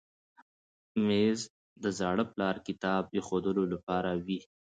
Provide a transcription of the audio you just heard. مېز د زاړه پلار کتاب ایښودلو لپاره وي.